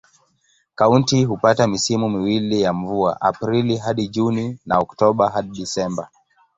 Kaunti hupata misimu miwili ya mvua: Aprili hadi Juni na Oktoba hadi Disemba.